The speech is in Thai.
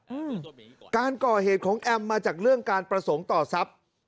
อืมการก่อเหตุของแอมมาจากเรื่องการประสงค์ต่อทรัพย์